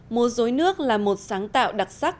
mô dối nước là một sáng tạo đặc sắc